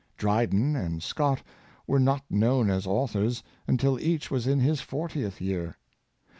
Dryden and Scott were not known as authors until each was in his fortieth year.